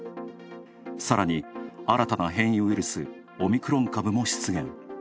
さらに、新たな変異ウイルス、オミクロン株も出現。